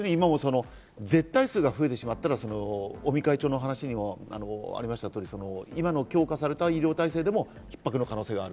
絶対数が増えてしまったら、尾身会長のお話にもありました通り、今の強化された医療体制でも逼迫の可能性がある。